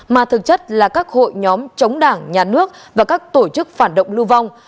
mà thực chất là các hội nhóm chống đảng nhà nước và các tổ chức phản động lưu vong